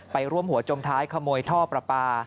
ไปร่วมหัวจมท้ายขโมยท่อประปา